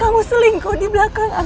kamu selingkuh di belakang aku